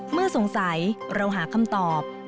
เมื่อสงสัยเราหาคำตอบ